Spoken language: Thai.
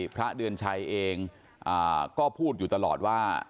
พระเดือนชัยเองก็พูดอยู่ตลอดว่า